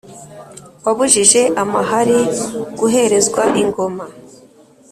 Wabujije amahari guherezwa ingoma,